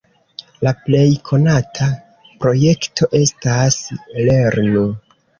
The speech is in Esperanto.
La plej konata projekto estas "lernu!".